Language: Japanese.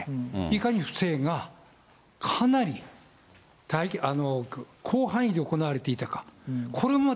いかに不正が、かなり広範囲で行われていたか。